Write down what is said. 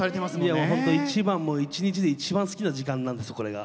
いやほんと一番もう一日で一番好きな時間なんですこれが。